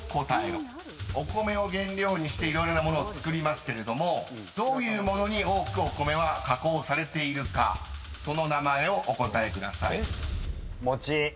［お米を原料にして色々な物を作りますけれどもどういう物に多くお米は加工されているかその名前をお答えください］